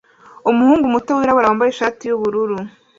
Umuhungu muto wirabura wambaye ishati yubururu